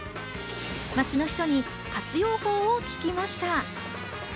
街の人に活用法を聞きました。